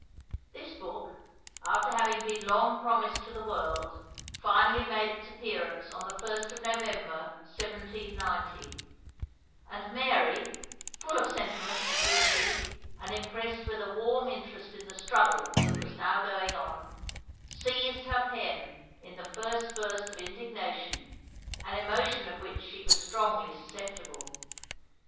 This book, after having been long promised to the world, finally made its appearance on the first of November 1790; and Mary, full of sentiments of liberty, and impressed with a warm interest in the struggle that was now going on, seized her pen in the first burst of indignation, an emotion of which she was strongly susceptible.